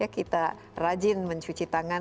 kita rajin mencuci tangan